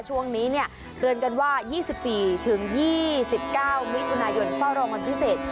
ช่วงนี้เตือนกันว่า๒๔๒๙มิถุนายนเฝ้าระวังพิเศษ